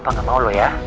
papa gak mau lo ya